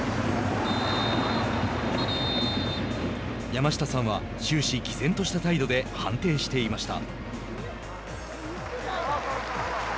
山下さんは終始毅然とした態度で判定していました。